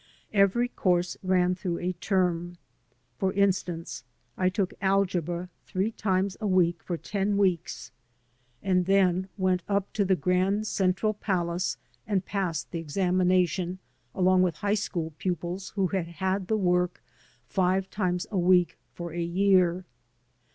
Every course ran through a term. For instance, I took algebra three times a week for ten weeks and then went 176 THE TRIALS OP SCHOLARSHIP up to the Grand Central Palace and passed the examina tion along with high school pupils who had had the work five times a week for a year.